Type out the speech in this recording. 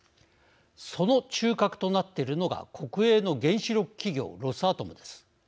その中核となっているのが国営の原子力企業ロスアトムです。